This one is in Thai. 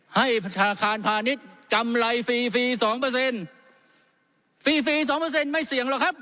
ให้ประชาคารพาณิชย์กำไรฟรีฟรีสองเปอร์เซ็นต์ฟรีฟรีสองเปอร์เซ็นไม่เสี่ยงหรอกครับ